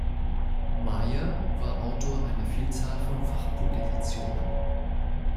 Majer war Autor einer Vielzahl von Fachpublikationen.